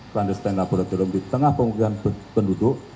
clandestine laboratorium di tengah pengukuran penduduk